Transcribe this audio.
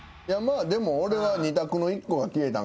でも俺は２択の１個が消えたんかなと。